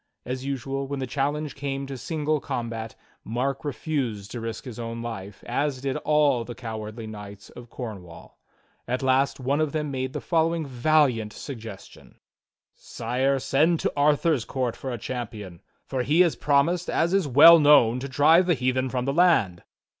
As usual, when the challenge came to single combat, Mark refused to risk his own life, as did all the cowardly knights of Corn wall. At last one of them made the following valiant suggestion; "Sire, send to Arthur's court for a champion; for he has prom ised, as is well known, to drive the heathen from the land."